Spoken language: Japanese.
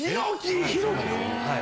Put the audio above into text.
はい。